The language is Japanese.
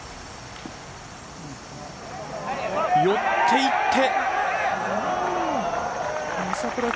寄っていって。